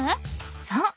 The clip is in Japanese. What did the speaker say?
そう。